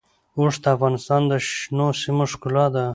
اوښ د افغانستان د شنو سیمو ښکلا ده.